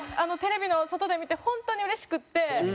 テレビの外で見て本当にうれしくって。